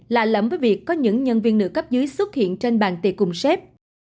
lạ lắm với việc có những nhân viên nữ cấp dưới xuất hiện trên bàn tiệc cùng sếp